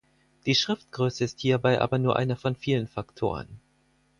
Die Schriftgröße ist hierbei aber nur einer von vielen Faktoren.